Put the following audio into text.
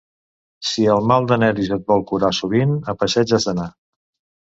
Si el mal de nervis et vols curar sovint a passeig has d'anar.